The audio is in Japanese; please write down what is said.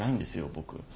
僕。